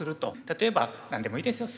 例えば何でもいいですよ